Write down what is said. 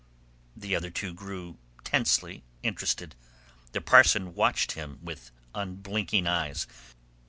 The other two grew tensely interested. The parson watched him with unblinking eyes.